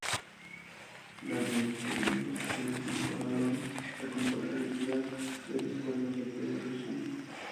Las revisiones posteriores mejoraron la compatibilidad con los juegos de PlayStation.